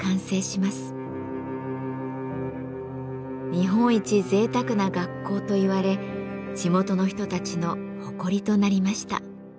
日本一ぜいたくな学校と言われ地元の人たちの誇りとなりました。